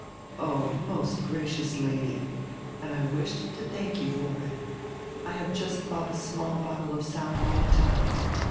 "Oh, most gracious Lady." "And I wished to thank you for it. I have just bought a small bottle of sal volatile.